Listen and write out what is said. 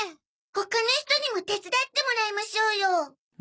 他の人にも手伝ってもらいましょうよ。